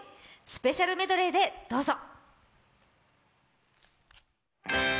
スペシャルメドレーでどうぞ。